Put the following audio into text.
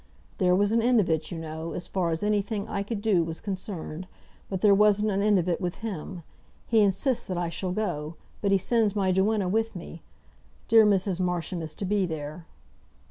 There was an end of it, you know, as far as anything I could do was concerned. But there wasn't an end of it with him. He insists that I shall go, but he sends my duenna with me. Dear Mrs. Marsham is to be there!"